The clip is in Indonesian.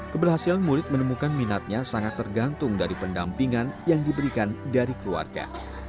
keberhasilan murid menemukan minatnya sangat tergantung dari pendampingan yang diberikan dari keluarga